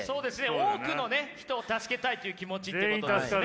多くの人を助けたいという気持ちってことですね。